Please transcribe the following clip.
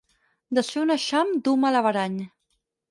Desfer un eixam duu mal averany.